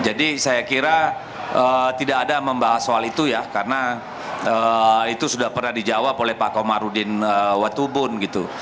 jadi saya kira tidak ada membahas soal itu ya karena itu sudah pernah dijawab oleh pak komarudin watubun gitu